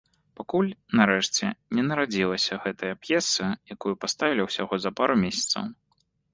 Пакуль, нарэшце, не нарадзілася гэтая п'еса, якую паставілі ўсяго за пару месяцаў.